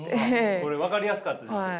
これ分かりやすかったですよね。